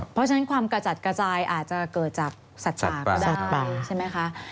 เพราะฉะนั้นความกระจัดกระจายอาจจะเกิดจากสัตว์ป่าก็ได้ใช่ไหมคะ